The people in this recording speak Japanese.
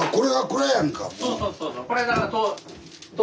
そうそうそうそう。